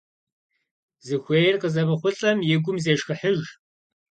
Зыхуейр къызэмыхъулӀэм и гум зешхыхьыж.